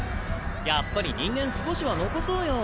やっぱり人間少しは残そうよ。